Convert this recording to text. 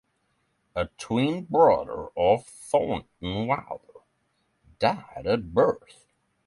A twin brother of Thornton Wilder died at birth.